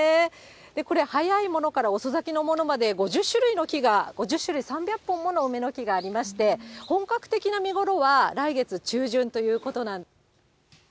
これ、早いものから遅咲きのものまで５０種類の木が、５０種類３００本もの梅の木がありまして、本格的な見頃は来月中旬ということなん。